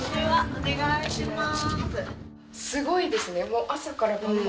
お願いします。